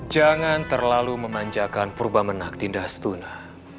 jangan terlalu memanjakan purba menak dindas tuna